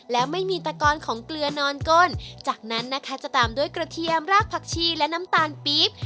และไม่มีตะกอนของเกลือนอนก้นจากนั้นนะคะจะตามด้วยกระเทียมรากผักชีและน้ำตาลปี๊บ